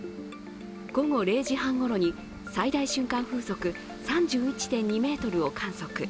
午後０時半ごろに最大瞬間風速３１．２メートルを観測。